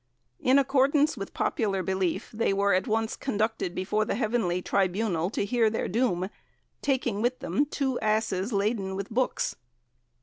In accordance with popular belief, they were at once conducted before the heavenly tribunal to hear their doom, taking with them two asses laden with books.